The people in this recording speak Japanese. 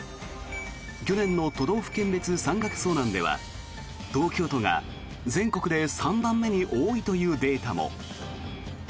去年の都道府県別山岳遭難では東京都が全国で３番目に多いというデータも。